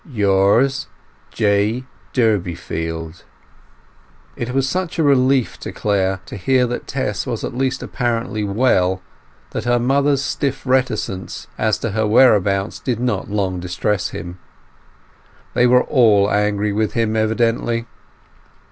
— Yours, J. Durbeyfield It was such a relief to Clare to learn that Tess was at least apparently well that her mother's stiff reticence as to her whereabouts did not long distress him. They were all angry with him, evidently.